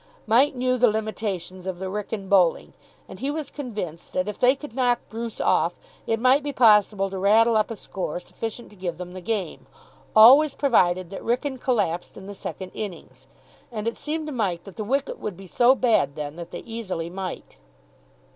Mike knew the limitations of the Wrykyn bowling, and he was convinced that, if they could knock Bruce off, it might be possible to rattle up a score sufficient to give them the game, always provided that Wrykyn collapsed in the second innings. And it seemed to Mike that the wicket would be so bad then that they easily might.